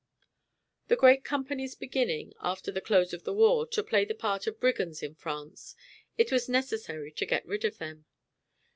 The grand companies beginning, after the close of the war, to play the part of brigands in France, it was necessary to get rid of them.